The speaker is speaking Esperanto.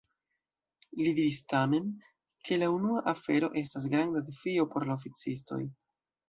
Li diris tamen, ke la tuta afero estas granda defio por la oficistoj.